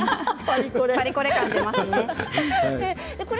パリコレ感が出ますね。